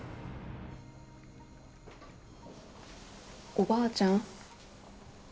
おばあちゃん。